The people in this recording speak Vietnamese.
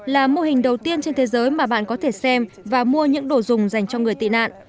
là mô hình đầu tiên trên thế giới mà bạn có thể xem và mua những đồ dùng dành cho người tị nạn